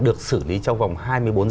được xử lý trong vòng hai mươi bốn h